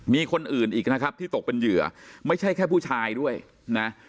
มีคนอื่นอีกนะครับที่ตกเป็นเหยื่อไม่ใช่แค่ผู้ชายด้วยนะ